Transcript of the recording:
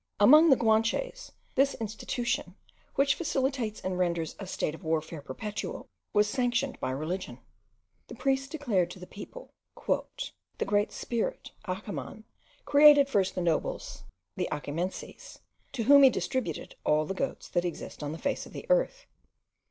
Among the Guanches, this institution, which facilitates and renders a state of warfare perpetual, was sanctioned by religion. The priests declared to the people: "The great Spirit, Achaman, created first the nobles, the achimenceys, to whom he distributed all the goats that exist on the face of the earth.